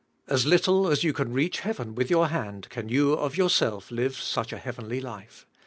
As little as you can reach heaven with your hand, can you of yourself live such a heavenly life.